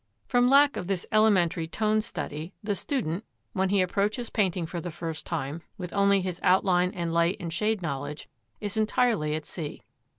] From lack of this elementary tone study, the student, when he approaches painting for the first time, with only his outline and light and shade knowledge, is entirely at sea.